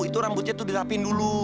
itu rambutnya itu dilapin dulu